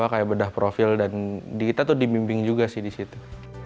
kayak bedah profil dan di kita tuh dimimbing juga sih di situ